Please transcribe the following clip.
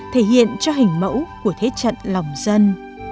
thể hiện cho hình mẫu của thế trận lòng dân